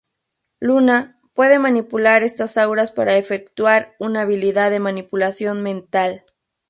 Luna puede manipular estas auras para efectuar una habilidad de manipulación mental.